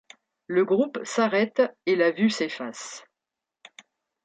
Le groupe s'arrête, et la vue s'efface.